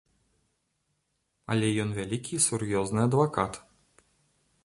Але ён вялікі і сур'ёзны адвакат.